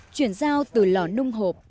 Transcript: chuyển giao từ lò nung hộp